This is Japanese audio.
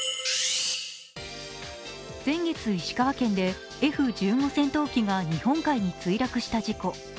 先月、石川県でＦ１５戦闘機が日本海に墜落した事故。